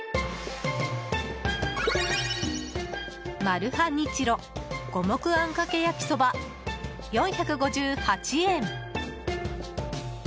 マルハニチロ五目あんかけ焼きそば、４５８円。